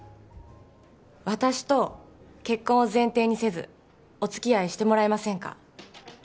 私と結婚を前提にせずおつきあいしてもらえませんか？